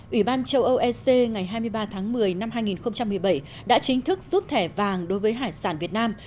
ủy ban châu âu ec ngày hai mươi ba tháng một mươi năm hai nghìn một mươi bảy đã chính thức rút thẻ vàng đối với hải sản việt nam